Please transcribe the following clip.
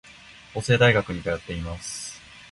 法政大学に通っています。